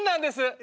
え？